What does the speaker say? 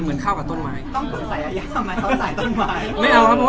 ต้องกุญแศกรั้งแห่งละการ